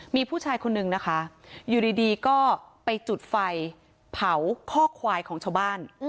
มีผู้ชายคนนึงนะคะอยู่ดีก็ไปจุดไฟเผาข้อควายของชาวบ้าน